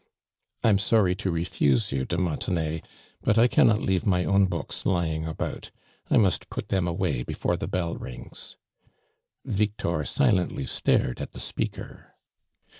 " I'm soriy to refuse you, de Montenay, but I cannot leave my own books lying al)out. I nmst put them away befpre the bell rings." Victor silently stared at the speaker.